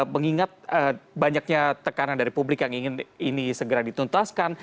mengingat banyaknya tekanan dari publik yang ingin ini segera dituntaskan